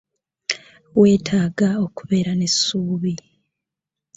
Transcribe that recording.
Weetaaga okubeera n'essuubi.